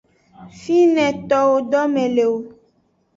Fine towo dome le o.